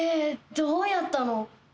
どうやったの？